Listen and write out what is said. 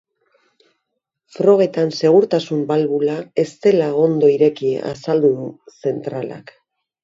Frogetan segurtasun balbula ez dela ondo ireki azaldu du zentralak.